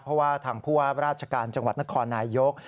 เพราะว่าทางภัทรรภ์ราชกรรมนครนายก